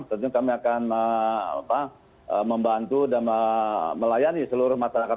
tentunya kami akan membantu dan melayani seluruh masyarakat